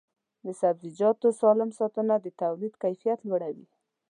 د سبزیجاتو سالم ساتنه د تولید کیفیت لوړوي.